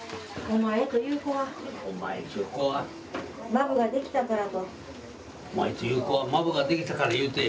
「お前という子はマブができたからいうて」。